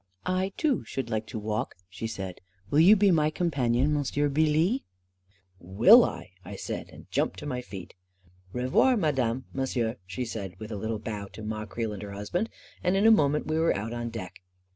" I, too, should like to walk," she said. " Will you be my companion, M'sieu Beelee ?"" Will 1 1 " I said, and jumped to my feet. 4< Revoir, Madame — M'sieu," she said with a little bow to Ma Creel and her husband, and in a moment we were out on deck.